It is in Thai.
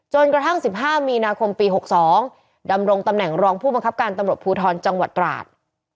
กระทั่ง๑๕มีนาคมปี๖๒ดำรงตำแหน่งรองผู้บังคับการตำรวจภูทรจังหวัดตราด